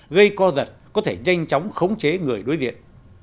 gây co giật có thể nhanh chóng khống chế người đối điện